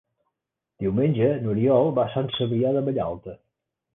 Diumenge n'Oriol va a Sant Cebrià de Vallalta.